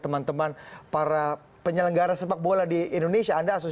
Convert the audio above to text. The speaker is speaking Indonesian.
menteri banyak seperti itu tidak